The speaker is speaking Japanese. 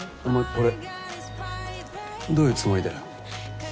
これどういうつもりだよ。